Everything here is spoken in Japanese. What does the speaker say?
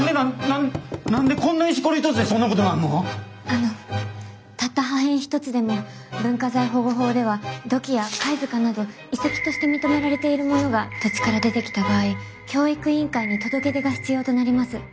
あのたった破片一つでも文化財保護法では土器や貝塚など遺跡として認められているものが土地から出てきた場合教育委員会に届け出が必要となります。